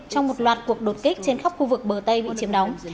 trong một loạt cuộc đột kích trên khắp khu vực bờ tây bị chiếm đóng